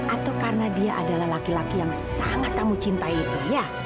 atau karena dia adalah laki laki yang sangat kamu cintai itu ya